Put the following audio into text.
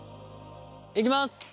いきます。